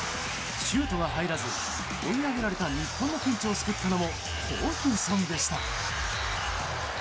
シュートが入らず追い上げられた日本のピンチを救ったのもホーキンソンでした。